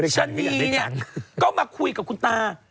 ชะนีเนี่ยก็มาคุยกับคุณตา